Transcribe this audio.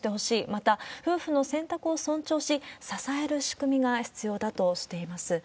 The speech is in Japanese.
また、夫婦の選択を尊重し、支える仕組みが必要だとしています。